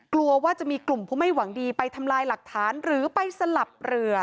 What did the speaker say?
กลัวว่าจะมีกลุ่มผู้ไม่หวังดีไปทำลายหลักฐานหรือไปสลับเรือ